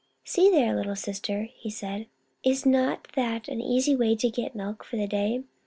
" See there, little sister," he said. " Is not that an easy way to get milk for the day